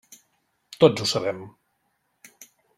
Tots ho sabem.